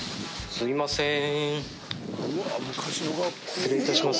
すいません。